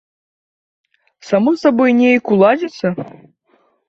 Само сабой неяк уладзіцца?